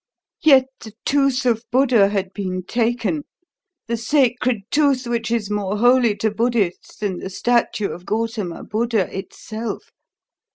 "Yet the tooth of Buddha had been taken, the sacred tooth which is more holy to Buddhists than the statue of Gautama Buddha itself.